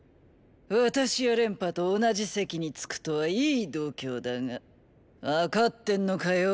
私や廉頗と同じ席に着くとはいい度胸だが分かってんのかよ